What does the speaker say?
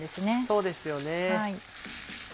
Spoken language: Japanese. そうですよね。